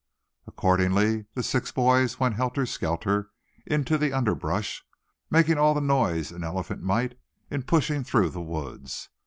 Accordingly the six boys went helter skelter into the underbrush, making all the noise an elephant might in pushing through the woods.